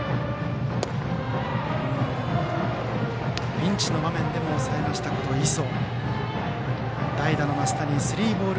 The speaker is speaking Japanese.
ピンチの場面でも抑えた磯。